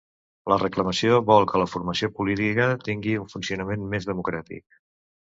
La reclamació vol que la formació política tingui un funcionament més democràtic